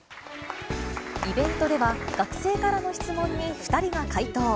イベントでは、学生からの質問に２人が回答。